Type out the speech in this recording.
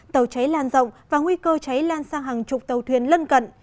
tàu cháy lan rộng và nguy cơ cháy lan sang hàng chục tàu thuyền lân cận